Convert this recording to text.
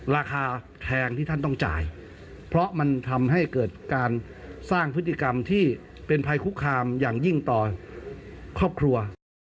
ราคาแพงที่ท่านต้องจ่ายเพราะมันทำให้เกิดการสร้างพฤติกรรมที่เป็นภัยคุกคามอย่างยิ่งต่อครอบครัว